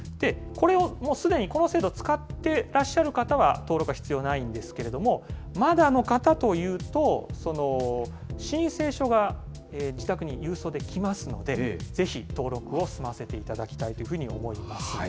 すでにこの制度を使ってらっしゃる方は、登録は必要ないんですけれども、まだの方というと、申請書が自宅に郵送で来ますので、ぜひ登録を済ませていただきたいというふうに思います。